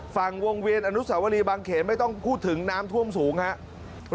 วงเวียนอนุสาวรีบางเขนไม่ต้องพูดถึงน้ำท่วมสูงครับ